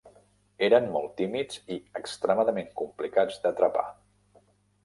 Eren molt tímids i extremadament complicats d'atrapar.